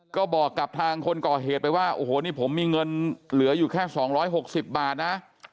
ก็บอกกับทางคนก่อเหตุไปว่าโอ้โหนี่ผมมีเงินเหลืออยู่แค่๒๖๐บาทนะ